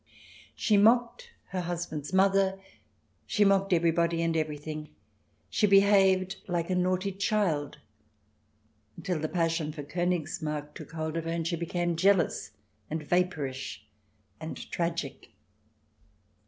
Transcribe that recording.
She mocked her husband's mother, she mocked every body and everything, she behaved like a naughty child, until the passion for KOnigsmarck took hold of her, and she became jealous and vapourish and tragic.